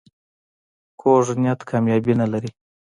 کوږ نیت کامیابي نه لري